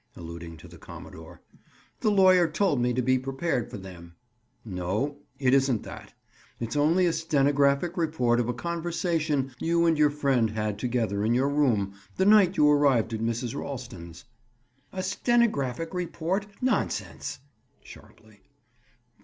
Alluding to the commodore. "The lawyer told me to be prepared for them." "No; it isn't that. It's only a stenographic report of a conversation you and your friend had together in your room, the night you arrived at Mrs. Ralston's." "A stenographic report? Nonsense!" Sharply.